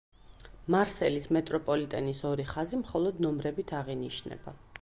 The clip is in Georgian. მარსელის მეტროპოლიტენის ორი ხაზი მხოლოდ ნომრებით აღინიშნება.